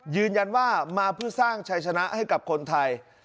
ยืนยันว่ามาเพื่อสร้างชัยชนะให้กับคนไทย